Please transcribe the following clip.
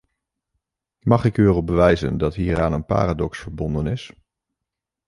Mag ik u erop wijzen dat hieraan een paradox verbonden is.